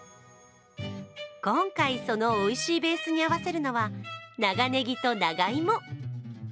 今回、そのおいしいベースに合わせるのは、長ねぎと長芋。